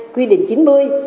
quy định chín mươi